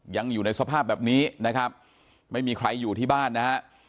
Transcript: ยังอยู่ในสภาพแบบนี้นะครับไม่มีใครอยู่ที่บ้านนะฮะ